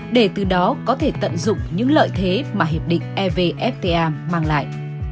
để từ đó có thể tận dụng những lợi thế mà hiệp định evfta mang lại